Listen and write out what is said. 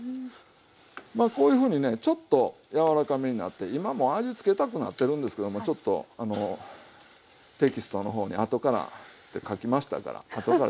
まあこういうふうにねちょっと柔らかめになって今もう味つけたくなってるんですけどもちょっとあのテキストの方に後からって書きましたから後から入れますけども。